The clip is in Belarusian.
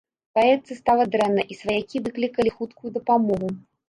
Паэтцы стала дрэнна, і сваякі выклікалі хуткую дапамогу.